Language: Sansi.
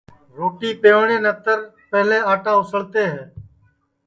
روٹی پَوٹؔے نتے پہلے آٹا اُسݪتے ہے